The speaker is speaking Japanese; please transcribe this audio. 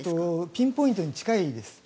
ピンポイントに近いです。